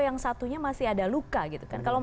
yang satunya masih ada luka gitu kan